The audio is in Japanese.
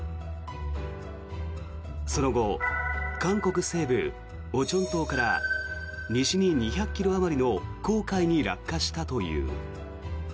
その後、韓国西部オチョン島から西に２００ｋｍあまりの黄海に落下したという。